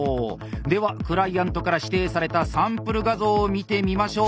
ではクライアントから指定されたサンプル画像を見てみましょう。